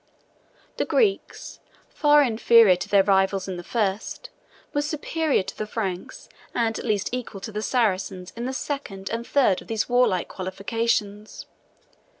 The Greeks, far inferior to their rivals in the first, were superior to the Franks, and at least equal to the Saracens, in the second and third of these warlike qualifications.